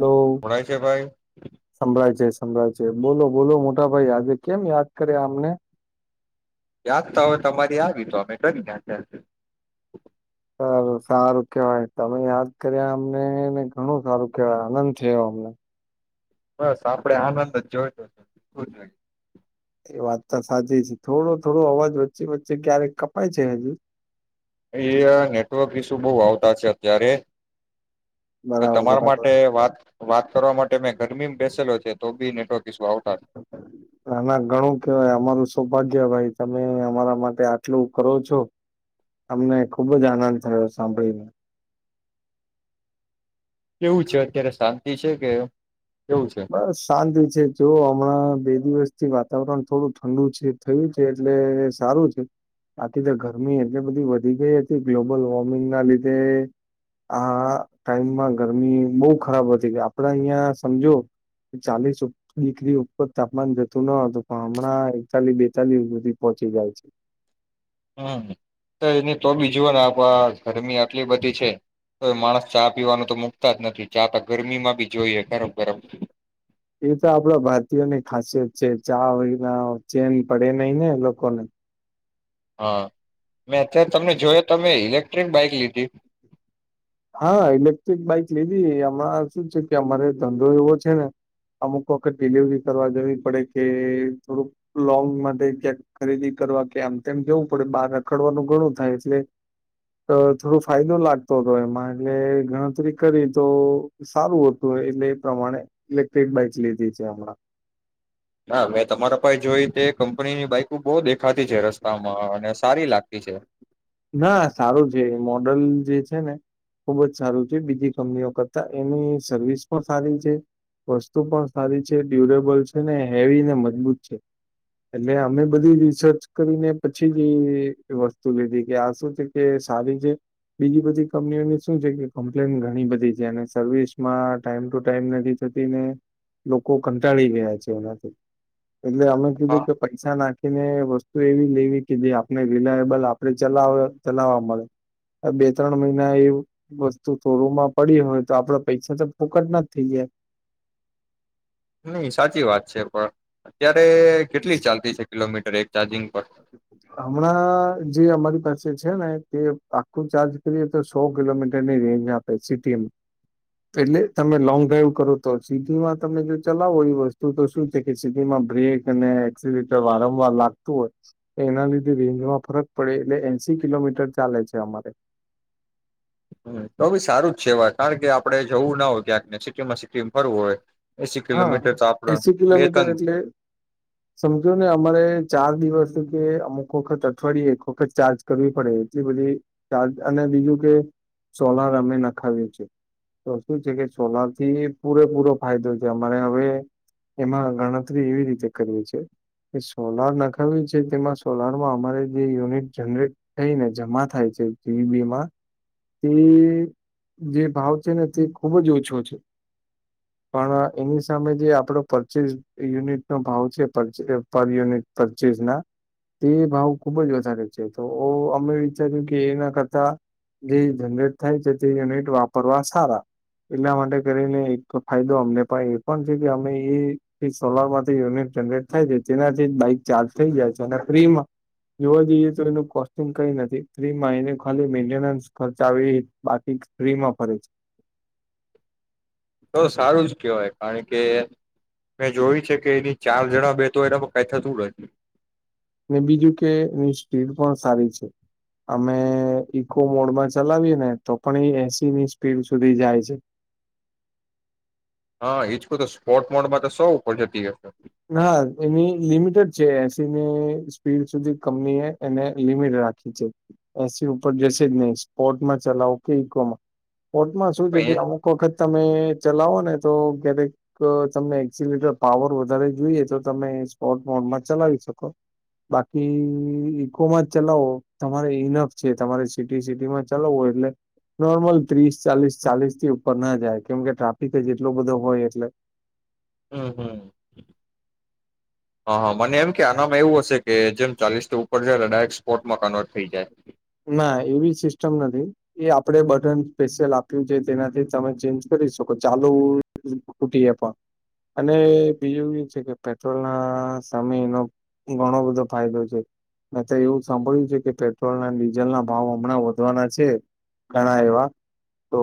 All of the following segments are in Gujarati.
હલો પડાઈ છે ભાઈ. સમ્રાજ બોલો બોલો મોટાભાઈ આજે કેમ યાદ કરે આમને યાદ તો હવે તમારી આવી તો અમે કરી સારું કેવાય તમે યાદ કર્યા અમને ને ઘણું સારું કેવાય આનંદ થયો અમને. બસ આપડે આનંદ જ જોઈતો છે જોઈ. એ વાત તો સાચી છે થોડો થોડો અવાજ વચ્ચે વચ્ચે ક્યારેક કપાય છે હજુ. અયા નેટવર્ક ઈસ્યુ બહુ આવતા છે અત્યારે કે બરાબર તમારા બરાબર માટે વાત વાત કરવા માટે મેં ગરમીમાં બેસેલો છે. તો બી નેટવર્ક ઇસ્યુ આવતા છે. એના ઘણું કેવાય અમારું સૌભાગ્ય ભાઈ. તમે અમારા માટે આટલું કરો છો અમને ખુબ જ આનંદ થયો સાંભળીને. કેવું છે અત્યારે શાંતિ છે કે કેવું છે બસ શાંતિ છે જો હમણાં બે દિવસ થી વાત વાતાવરણ થોડું ઠંડુ છે થયું છે એટલે સારું છે બાકી તો ગરમી એટલી બધી વધી ગઈ હતી ગ્લોબલ વોર્મિંગ ના લીધે આ ટાઈમમાં ગરમી બહુ ખરાબ હતી ગ આપડા અહિયાં સમજો. ચાલીસ ડિગ્રી ઉપર તાપમાન જતું ન હતું પણ હમણાં એકતાલીસ બેતાલીસ સુધી પહોંચી જાય છે. હમ તો એની તો બી જોુઓ ને આપ ગરમી આટલી બધી છે તો માણસ ચા પીવાનું તો મુૂકતા જ નથી ચા તો ગરમી માં બી જોઈએ. ગરમ ગરમ એ તો આપણા ભારતીયો ની ખાસિયત જે ચા વિના ચેન પડે નઈ ને લોકોને. હા મેં અત્યારે તમને જોયો તોમે ઇલેક્ટ્રિક બાઈક લીધી. હા ઇલેક્ટ્રિક બાઈક લીધી હમણા શું છે કે અમારે ધંધો એવો છે ને અમુક વખત ડિલિવરી કરવા જવી પડે કે થોડુંક લોંગ માટે ક્યાંક ખરીદી કરવા કે આમ તેમ જવું પડે બહાર રખડવાનું ઘણું થાય એટલે તો થોડો ફાયદો લાગતો તો એમાં એટલે ગણતરી કરી તો સારું હતું એટલે એ પ્રમાણે ઇલેક્ટ્રિક બાઈક લીધી છે હમણાં ના મેં તમારા પાહે જોઈ તે કંપનીની બાઈકુ બહુ દેખાતી છે રસ્તામાં અને સારી લાગતી છે. ના સારું છે મોડલ જે છે ને ખુબ જ સારું છે. બીજી કંપનીઓ કરતા એની સર્વિસ પણ સારી છે. વસ્તુ પણ સારી છે ડ્યુરેબલ છે ને હેવી ને મજબૂત છે એટલે અમે બધી રિસર્ચ કરીને પછી જ ઈ વસ્તુ લીધી કે આ શું છે કે સારી છે બીજી બધી કંપનીઓની શું છે કે કમ્પ્લેન ઘણી બધી છે. અને સર્વિસમાં ટાઈમ ટુ ટાઈમ નથી થતી ને લોકો કંટાળી ગયા છે એનાથી એટલે અમે કીધું હા કે પૈસા નાખી ને વસ્તુ એવી લેવી કે જે આપને રિલાયબલ આપણે ચલાવે ચલાવવા મળે. હવે બે ત્રણ મહિના એ વસ્તુ શોરૂમમાં પડી હોય તો આપડા પૈસા તો ફોકટ ના જ થઈ જાય. નહીં સાચી વાત છે પણ અત્યારે કેટલી ચાલતી છે કિલોમીટર એક ચાર્જિંગ પર હમણાં જે અમારી પાસે છે ને તે આખું ચાર્જ કરીએ તો સો કિલોમીટરની રેન્જ આપે સિટીમાં એટલે તમે લોંગ ડ્રાઈવ કરો તો સિટીમાં તમને જો ચલાવો એ વસ્તુ તો શું છે કે સિટીમાં બ્રેક અને એક્સિલેટર વારંવાર લાગતું હોય એના લીધે રેન્જમાં ફરક પડે એટલે એંશી કિલોમીટર ચાલે છે અમારે હહ તો પહી સારું જ છે વાત કારણ કે આપડે જવું ના હોય ક્યાંકને સિટીમાં સિટીમાં ફરું હોય એસી હા કિલોમીટર તો આપડા એંસી બે કિલોમીટર ત્રણ એટલે સમજોને અમારે ચાર દિવસ કે અમુક વખત અઠવાડિયે એક વખત ચાર્જ કરવી પડે એટલી બધી ચાર્જ અને બીજું કે સોલાર અમે નખાવ્યું છે તો શું છે કે સોલાર થી પૂરેપૂરો ફાયદો છે. અમારે હવે એમાં ગણતરી એવી રીતે કરવી છે કે સોલાર નખાવ્યું છે તેમાં સોલારમાં અમારે જે યુનિટ જનરેટ થઈને જમા થાય છે જીવીબીમાં તે જે ભાવ છે ને તે ખૂબ જ ઓછો છે પણ એની સામે જે આપડો પરચેસ યુનિટનો ભાવ છે પરચે એ પર યર યુનિટ પરચેસ ના તે ભાવ ખુબ જ વધારે છે તો અમે વિચાર્યું કે એના કરતા જે જનરેટ થાય છે તે યુનિટ વાપરવા સારા એટલા માટે કરીને એક ફાયદો અમને પણ એ પણ છે કે અમે એ એ સોલારમાંથી યુનિટ જનરેટ થાય છે તેનાથી જ બાઈક ચાર્જ થઈ જાય છે. અને ફ્રીમાં જોવા જઈએ તો એનું કોસ્ટિંગ કઈ નથી ફ્રીમાં એને ખાલી મેન્ટેનન્સ ખર્ચ આવે એ જ બાકી ફ્રીમાં ફરે છે. તો સારું જ કેહેવાય કારણ કે મેં જોયું છે કે એની ચાર જણા બે તો એનામાં કંઈ થતું નથી. ને બીજું કે એની સ્પીડ પણ સારી છે. અમે ઈકો મોડમાં ચલાવીએ ને તો પણ એ એંસીની સ્પીડ સુધી જાય છે. હહ ઈ જ કઉં તો સ્પોર્ટ મોડમાં તો સો ઉપર જતી હશે. ના એની લિમિટ જ છે એંસીની સ્પીડ સુધી કંપની એ એને લિમિટ રાખી છે. એંસી ઉપર જશે જ નહીં સ્પોર્ટમાં ચલાવો કે ઈકોમાં પોર્ટમાં શું છે પણ કે એ અમુક વખત તમે ચલાવો ને તો ક્યારેક તમને એક્સિલેટર પાવર વધારે જોઈએ તો તમે સ્પોર્ટ મોડમાં ચલાવી શકો. બાકી ઈકોમાં જ ચલાવો તમારે ઈનફ છે. તમારે સિટી સિટીમાં ચલાવો એટલે નોર્મલ ત્રીસ ચાલીસ ચાલીસ થી ઉપર ના જાય કેમકે ટ્રાફિક જ એટલો બધો હોય એટલે હમ હમ હહ હહ મને એમ કે આનામાં એવું હશે કે જેમ ચાલીસ થી ઉપર જાય એટલે ડાયરેક્ટ સ્પોટમાં કન્વર્ટ થઈ જાય. ના એવી સિસ્ટમ નથી એ આપણે બટન પેશિયલ આપ્યું છે તેનાથી તમે ચેન્જ કરી શકો ચાલુ તૂટીએ પણ અને બીજું એ છે કે પેટ્રોલ ના સામે એનો ઘણો બધો ફાયદો છે મેં તો એવું સાંભળ્યું છે કે પેટ્રોલના ડી ડીઝલના ભાવ હમણાં વધવાના છે ઘણા એવા તો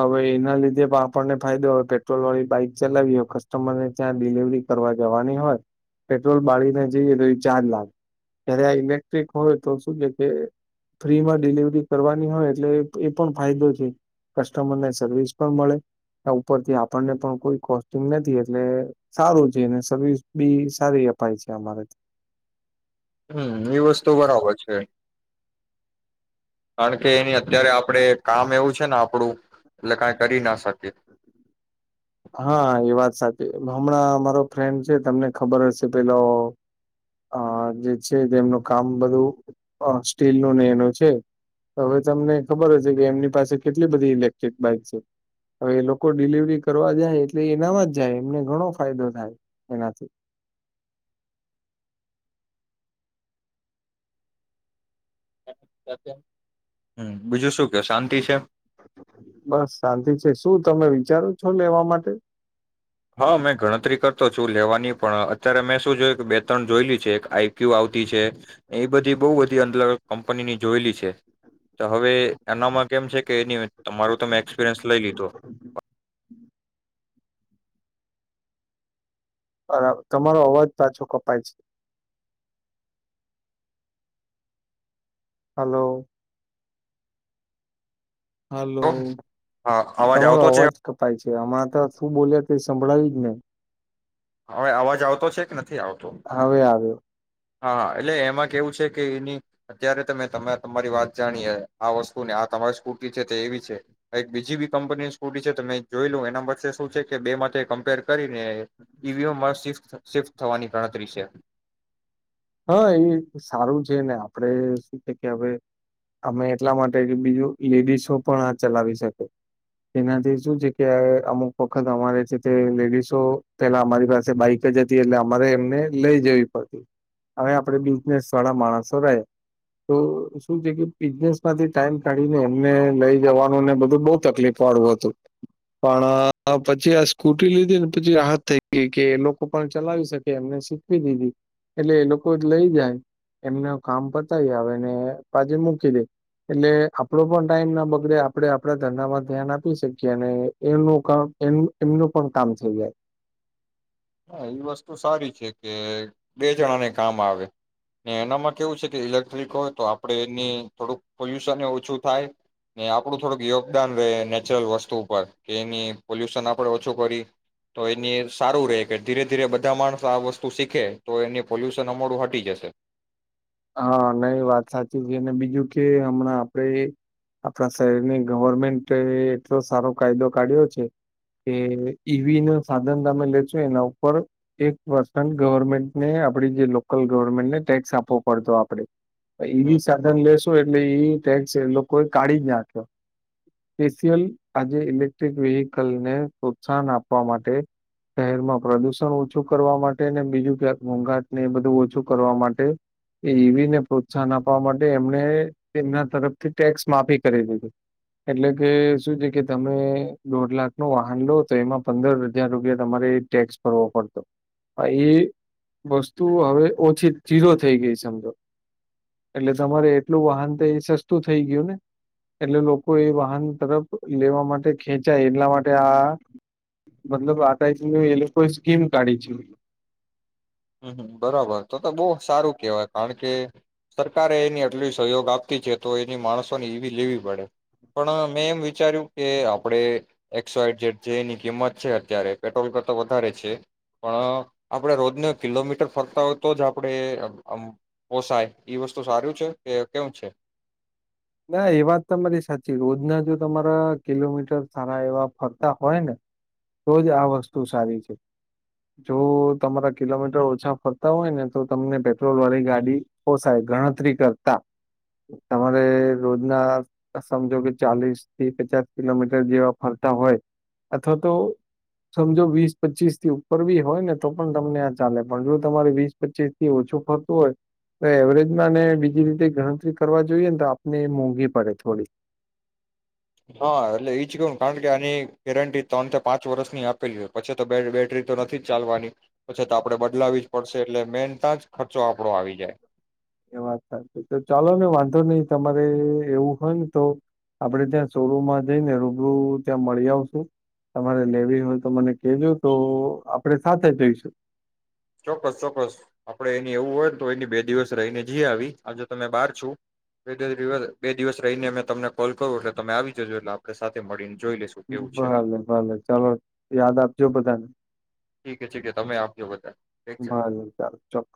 હવે એના લીધે પણ આપણને ફાયદો પેટ્રોલ વાળી બાઈક ચલાવી હોય કસ્ટમરને ત્યાં ડિલિવરી કરવા જવાની હોય પેટ્રોલ બાળીને જઈએ તો એ ચાર્જ લાગે જય્યારે આ ઇલેક્ટ્રિક હોય તો શું કે કે ફ્રીમાં ડિલિવરી કરવાની હોય એટલે એ એ પણ ફાયદો છે કસ્ટમરને સર્વિસ પણ મળે એ ઉપરથી આપણને પણ કોઈ કોસ્ટીગ નથી એટલે સારું છે અને સર્વિસ બી સારી અપાય છે અમારેથી હમ એ વસ્તુ બરાબર છે. કારણ કે એની અત્યારે આપડે કામ એવું છે ને આપણું એટલે કાઈ કરી ના શકી. હા એ વાત સાચી હમણાં અમારો ફ્રેન્ડ છે તમને ખબર હશે પેલો અ જે છે જેમનું કામ બધું અ સ્ટીલ નુ ને એનું છે હવે તમને ખબર હશે કે એમની પાસે કેટલી બધી ઇલેક્ટ્રિક બાઈક છે હવે એ લોકો ડિલિવરી કરવા જાય એટલે એનામાં જ જાય એમને ઘણો ફાયદો થાય એનાથી હમ બીજું શું ક્યો શાંતિ છે? બસ શાંતિ છે શું તમે વિચારો છો લેવા માટે હા મેં ગણતરી કરતો છું લેવાની પણ અત્યારે મેં શું જોયું કે બે ત્રણ જોયેલી છે એક આઈક્યુ આવતી છે એ બધી બઉુ બધી અલગ કંપનીની જોયેલી છે તો હવે એનામાં કેમ છે કે એની તમારું તમે એક્સપિરિયન્સ લઈ લીધો બરાબર તમારો અવાજ પાછો કપાય છે. હલો હલો હા તમારો આવતો છે અવાજ કપાય છે. કે આમાં ત શું બોલ્યા કંઈ સંભળાયું જ નહીં. હવે અવાજ આવતો છે કે નથી આવતો? હવે આવ્યો હા એટલે એમાં કેવું છે કે એની અત્યારે તમે તમે તમારી વાત જાણીએ આ વસ્તુ ને આ તમારી સ્કૂટી છે તે એવી છે કાંઈક બીજી બી કંપનીની સ્કૂટી છે તમે જોઈ લું એના વચ્ચે શું છે કે બે માંથી કમ્પેર કરી. એ મળ શિફ્ટ થવાની ગણતરી છે. હા એ સારું છે ને આપડે શું છે કે હવે અમે એટલા માટે કે બીજું લેડીસો પણ આ ચલાવી શકે એનાથી શું છે કે અમુક વખત અમારે છે તે લેડીસો પેલા અમારી પાસે બાઈક જ હતી એટલે અમારે એમને લઈ જવી પડતી. હવે આપણેે બિઝનેસ વાળા માણસો રહ તો શું છે કે બિઝનેસમાંથી ટાઈમ કાઢીને એમને લઈ જવાનુંને બધું બહ તકલીફ વાળું હતું પણ પછી આ સ્કૂટી લીધી ને પછી રાહત થઈ ગઈ કે એ લોકો પણ ચલાવી શકે એમને શીખવી દીધી. એટલે એ લોકો જ લઈ જાય એમનું કામ પતાય આવે ને પાછે મૂકી દે એટલે આપડો પણ ટાઈમ ના બગલે આપણે આપડા ધંધામાં ધ્યાન આપી શકીએ અને એનું કામ એ એમનું પણ કામ થઈ જાય. હા એ વસ્તુ સારી છે કે બે જણાને કામ આવે એનામાં કેવું છે કે ઈલેક્ટ્રિક હોય તો આપડે એની થોડુંક પોલ્યુશન ઓછું થાય ને આપણું થોડુંક યોગદાન રહે નેચરલ વસ્તુ ઉપર કે એની પોલ્યુશન આપડણે ઓછું કરી તો એની સારું રહે. કે ધીરે ધીરે બધા માણસ આ વસ્તુ શીખે તો એની પોલ્યુશન અમડું હટી જશે. હા ન એ વાત સાચી છે અને બીજું કે હમણાં આપડે આપણા શહેરની ગવર્મેન્ટ એટલો સારો કાયદો કાઢ્યો છે કે ઈવી ન સાધન તમે લેશો એના ઉપર એક પર્સન્ટ ગવર્મેન્ટને આપડી જે લોકલ ગવર્મેન્ટને ટેક્સ આપો. પડતો આપડે. હમ એવી સાધન લેેશ એટલે ટેક્સ એ લોકોએ કાઢી જ નાખ્યોલ આજે ઇલેક્ટ્રિક વેહકલને પ્રોત્સાહન આપવા માટે શહેરમાં પ્રદુષણ ઓછું કરવા માટે બીજું ક્યાંક મોોંઘાટને એ બધું ઓછું કરવા માટે એ એવીને પ્રોત્સાહન આપવા માટે એમણે એના તરફથી ટેક્સ માફી કરી દીધી એટલે કે શું છે કે તમે દોઢ લાખ ન વાહન લો તો એમાં પંદર હજાર રૂપિયા તમારે ટેક્સ ભરવો પડતો પણ એ વસ્તુ હવે ઓછી જીરો થઈ ગઈ સમજો એટલે તમારે એટલું વાહન તો એ સસ્તું થઈ ગયું ને એટલે લોકો એ વાહન તરફ લેવા માટે ખેંચાય એટલા માટે આ મતલબ આ એ લોકોએ સ્કીમ કાઢી છે. હમ બરાબર તો તો બહુ સારું કેહેવાય કારણ કે સરકારે એની આટલી સહયોગ આપતી છે તો એની માણસોને એવી લેવી પડે પણ મેં એમ વિચાર્યું કે આપણે એક્સોાઈડ જેટ જે એની કિંમત છે અત્યારે પેટ્રોલ કર તો વધારે છે પણ આપણે રોજને કિલોમીટર ફરતા હોય તો જ આપડણે પોસાય એઈ વસ્તુ સારું છે કે કેવ છે. ના એ વાત તમા તમારી સાચી રોજના જો તમારા કિલોમીટર સારા એવા ફરતા હોય ને તો જ આ વસ્તુ સારી છે જો તમારા કિલોમીટર ઓછા ફરતા હોય ને તો તમને પેટ્રોલ વાળી ગાડી પોસાય ગણતરી કરતા તમારે રોજના સમજો કે ચાલીસ થી પચાસ કિલોમીટર જેવા ફરતા હોય અથવા તો સમજો વીસ પચીસ થી ઉપર બી હોય ને તો પણ તમને આ ચાલે પણ જો તમારે વીસ પચીસ થી ઓછું ફરતું હોય તો એવરેજમાંને બીજી રીતે ગણતરી કરવા જોઈએ તો ને મોંઘી પડે થોડી. હા એટલે એ જ કેવું કારણ કે આની ગેરંટી ત્રણ થી પાંચ વર્ષની આપેલી હોય પછી તો બેટરી તો નથી ચાલવાની પછી તો આપડણે બદલાવી જ પડશે એટલે મેન તં જ ખર્ચો આપડો આવી જાય. એ વાત સાચી તો ચાલો ને વાંધો નહી તમારે એવું હોય ને તો આપડે ત્યાં શોરૂમમાં જઈને રૂબરૂ ત્યાં મળી આવશું તમારે લેવી હોય તો મને કજો તો આપણે સાથે જઈશું. ચોક્કસ ચોક્કસ આપડે એની એવું હોય ને તો એની બે દિવસ રહીને જી આવી આજે તમે બહાર છો બેિવ બે દિવસ રહીને અમે તમને કોલ કરું એટલે તમે આવી જજો એટલે આપણે સાથે મળીને જોઈ લેશું કેવું છે ભલે ભલે ચાલો યાદ આપજો બધાને. ઠીકે ઠી તમે આપજો બધા ઠીક છે. ભલે ચાલો ચોક્કસ